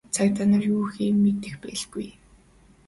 Цагдаа нар юу хийхээ мэдэх байлгүй.